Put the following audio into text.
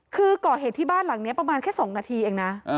คือก่อเหตุที่บ้านหลังนี้ประมาณแค่๒นาทีเองนะ